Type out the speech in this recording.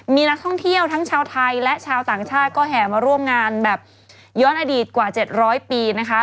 มีนักท่องเที่ยวทั้งชาวไทยและชาวต่างชาติก็แห่มาร่วมงานแบบย้อนอดีตกว่า๗๐๐ปีนะคะ